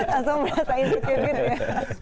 langsung merasain cerita